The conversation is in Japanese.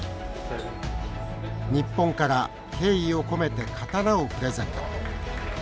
日本から敬意を込めて刀をプレゼント。